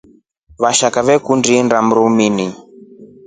Vashaka vakundi indaa mrumini.